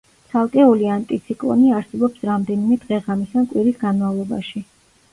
ცალკეული ანტიციკლონი არსებობს რამდენიმე დღე-ღამის ან კვირის განმავლობაში.